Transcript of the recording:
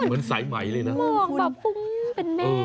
เหมือนสายไหมเลยนะ